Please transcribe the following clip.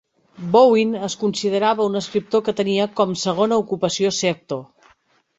Bowen es considerava un escriptor que tenia com segona ocupació ser actor.